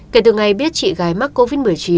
kể từ ngày biết chị gái mắc covid một mươi chín